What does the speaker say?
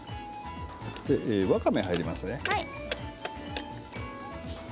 わかめが入りますね。